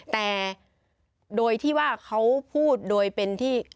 แต่โดยที่ว่าเขาพูดโดยเป็นที่